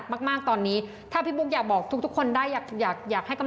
บุคลักษณ์กรรมการแพทย์คุณหมอพยาบาลนะคะ